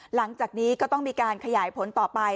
หลังจากนี้ก็ต้องมีการขยายผลต่อไป